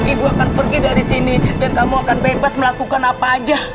ibu akan pergi dari sini dan kamu akan bebas melakukan apa aja